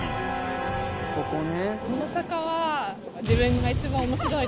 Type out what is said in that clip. ここね。